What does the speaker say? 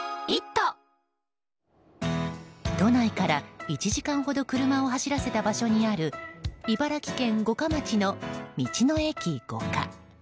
都内から１時間ほど車を走らせた場所にある茨城県五霞町の道の駅ごか。